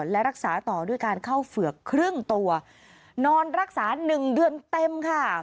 และรักษาต่อด้วยการเข้าเฝือกครึ่งตัวนอนรักษาหนึ่งเดือนเต็มค่ะ